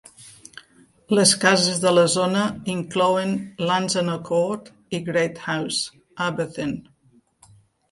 Les cases de la zona inclouen Llansannor Court i Great House, Aberthin.